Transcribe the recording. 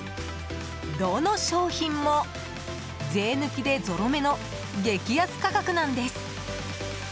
どの商品も税抜でゾロ目の激安価格なんです。